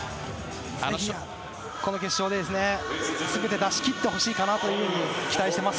この決勝で全て出し切ってほしいと期待しています。